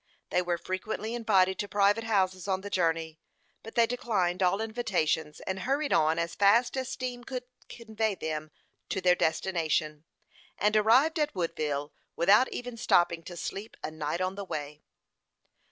They were frequently invited to private houses on the journey; but they declined all invitations, and hurried on as fast as steam could convey them to their destination, and arrived at Woodville without even stopping to sleep a night on the way.